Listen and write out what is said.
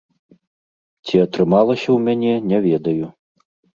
Ці атрымалася ў мяне, не ведаю.